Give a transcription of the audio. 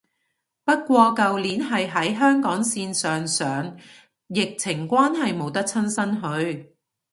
不過舊年係喺香港線上上，疫情關係冇得親身去